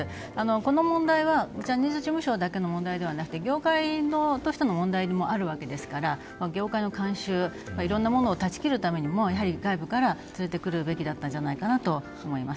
この問題はジャニーズ事務所だけの問題ではなくて業界としての問題もあるわけですから業界の慣習、いろんなものを断ち切るためにも外部から連れてくるべきだったと思います。